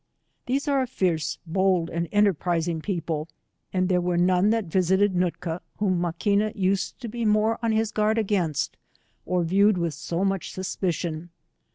These are a fierce, bold, and enterprizing people, and there were none that visited Nootka, whom Maquina used to be more on bis guard against, or viewed with so much su^pici on.